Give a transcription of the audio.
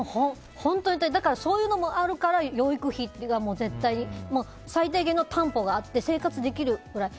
そういうのもあるから養育費が絶対に最低限の担保があって生活できるぐらい。